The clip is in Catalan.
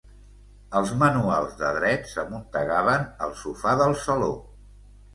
Els manuals de dret s'amuntegaven al sofà del saló.